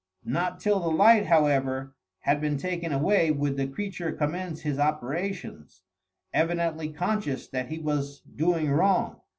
Not till the light, however, had been taken away, would the creature commence his operations, evidently conscious that he was doing wrong.